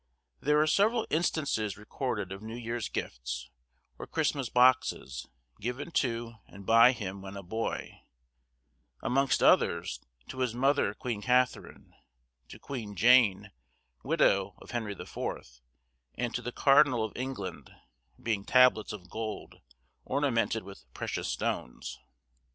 There are several instances recorded of New Year's Gifts, or Christmas Boxes, given to and by him when a boy; amongst others, to his mother Queen Katherine; to Queen Jane, widow of Henry the Fourth; and, to the Cardinal of England; being tablets of gold, ornamented with precious stones.